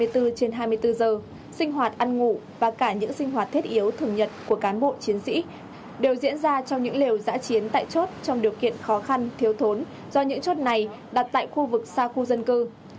hai mươi bốn trên hai mươi bốn giờ sinh hoạt ăn ngủ và cả những sinh hoạt thiết yếu thường nhật của cán bộ chiến sĩ đều diễn ra trong những lều giã chiến tại chốt trong điều kiện khó khăn thiếu thốn do những chốt này đặt tại khu vực xa khu dân cư